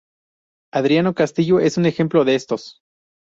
Adriano Castillo es un ejemplo de estos.